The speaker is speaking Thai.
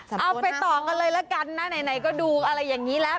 เอาไปต่อกันเลยละกันนะไหนก็ดูอะไรอย่างนี้แล้ว